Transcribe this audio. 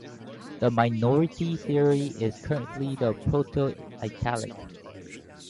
The minority theory is currently the Proto-Italic.